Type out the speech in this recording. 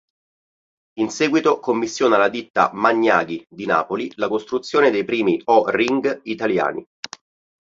In seguito commissiona alla ditta Magnaghi di Napoli la costruzione dei primi o-ring italiani.